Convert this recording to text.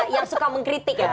yang suka mengkritik ya